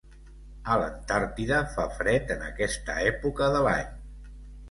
A l'Antàrtida fa fred en aquesta època de l'any.